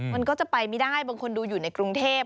มันก็จะไปไม่ได้บางคนดูอยู่ในกรุงเทพ